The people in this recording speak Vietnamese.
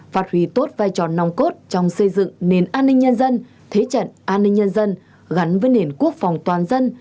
phát huy tốt vai trò nòng cốt trong xây dựng nền an ninh nhân dân thế trận an ninh nhân dân gắn với nền quốc phòng toàn dân